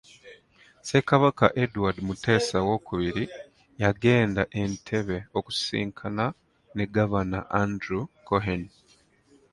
Ssekabaka Edward Muteesa II yagenda e Ntebe okusisinkana ne Gavana Andrew Cohen.